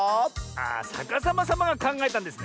ああさかさまさまがかんがえたんですね。